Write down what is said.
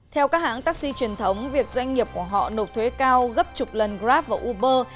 theo các hãng taxi truyền thống việc doanh nghiệp của họ nộp thuế cao gấp chục lần grab vào uber